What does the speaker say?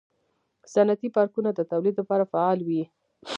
صنعتي پارکونه د تولید لپاره فعال وي.